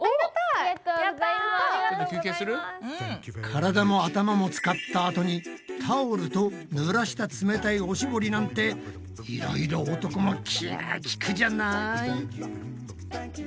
体も頭も使ったあとにタオルとぬらした冷たいおしぼりなんてイライラ男も気が利くじゃない！